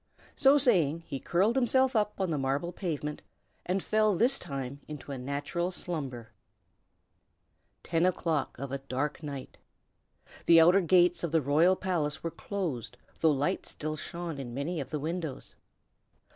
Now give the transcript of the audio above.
So saying, he curled himself up on the marble pavement, and fell this time into a natural slumber. Ten o'clock of a dark night. The outer gates of the royal palace were closed, though lights still shone in many of the windows.